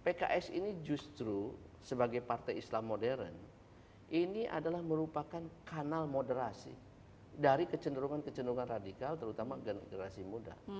pks ini justru sebagai partai islam modern ini adalah merupakan kanal moderasi dari kecenderungan kecenderungan radikal terutama generasi muda